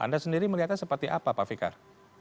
anda sendiri melihatnya seperti apa pak fikar